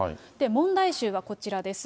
問題集はこちらです。